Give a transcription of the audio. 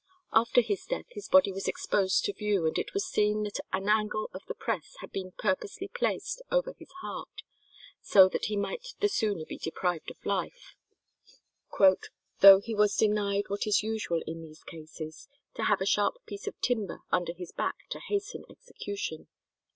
After death his body was exposed to view, and it was seen that an angle of the press had been purposely placed over his heart, so that he might the sooner be deprived of life, "though he was denied what is usual in these cases, to have a sharp piece of timber under his back to hasten execution."